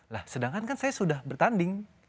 lah sedangkan kan saya sudah bertanding